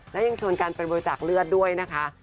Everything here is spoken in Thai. และยังชวนกันไปบริจาคเลือดด้วยนะคะ